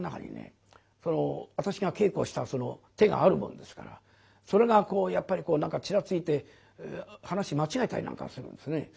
私が稽古したその手があるもんですからそれがやっぱり何かちらついて噺間違えたりなんかするんですね。